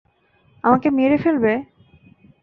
আমাকে মেরে ফেলবে?